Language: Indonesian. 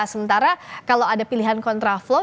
sementara kalau ada pilihan kontra flow